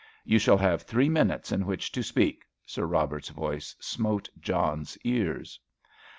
"You shall have three minutes in which to speak!" Sir Robert's voice smote John's ears.